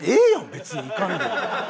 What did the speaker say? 別に行かんでも。